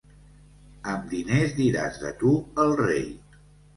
Amb diners diràs de tu al rei.